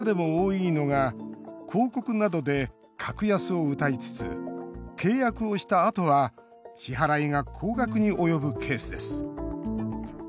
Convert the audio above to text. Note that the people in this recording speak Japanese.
中でも多いのが、広告などで格安をうたいつつ契約をしたあとは支払いが高額に及ぶケースです。